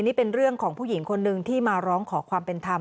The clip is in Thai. นี่เป็นเรื่องของผู้หญิงคนนึงที่มาร้องขอความเป็นธรรม